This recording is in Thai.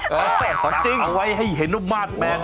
เสร็จสาขาไว้ให้เห็นมาก